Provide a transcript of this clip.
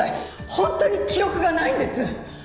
ほんとに記憶がないんです。